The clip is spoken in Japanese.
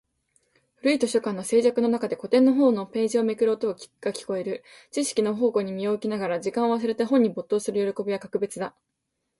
古い図書館の静寂の中で、古典の本のページをめくる音が聞こえる。知識の宝庫に身を置きながら、時間を忘れて本に没頭する喜びは格別だ。